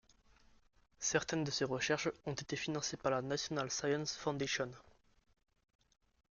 Certaines de ses recherches ont été financées par la National Science Foundation.